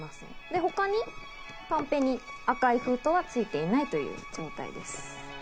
他に、カンペに赤い封筒はついていないという状態です。